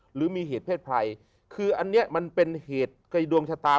หรือมีเหตุเพศภัยคืออันนี้มันเป็นเหตุในดวงชะตา